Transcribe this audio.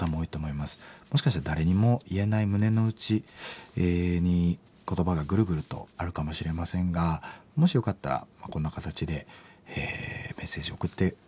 もしかしたら誰にも言えない胸の内に言葉がぐるぐるとあるかもしれませんがもしよかったらこんな形でメッセージ送って下さればと思います。